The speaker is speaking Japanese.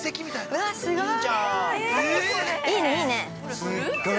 ◆うわあ、すごい。